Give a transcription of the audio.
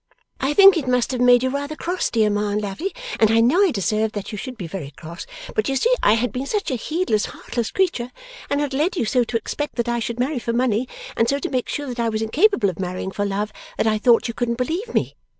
'I think it must have made you rather cross, dear Ma and Lavvy, and I know I deserved that you should be very cross. But you see I had been such a heedless, heartless creature, and had led you so to expect that I should marry for money, and so to make sure that I was incapable of marrying for love, that I thought you couldn't believe me.